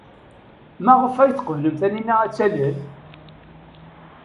Maɣef ay teqbel Taninna ad talel?